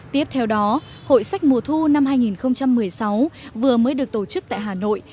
tiếp theo đó hội sách mùa thu năm hai nghìn một mươi sáu vừa mới được tổ chức tại hà nội